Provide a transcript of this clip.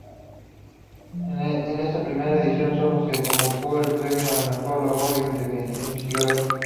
En esta primera edición sólo se convocó el premio a la mejor labor investigadora.